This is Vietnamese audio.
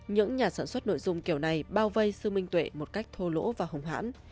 những nhà sản xuất nội dung kiểu này bao vây sư minh tuệ một cách thô lỗ và hùng hãn